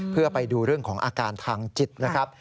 เพื่อไปดูเรื่องของอาการทางจิตนะครับ